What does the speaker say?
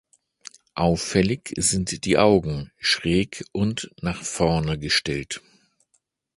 Auffällig sind die Augen: schräg und nach vorne gestellt.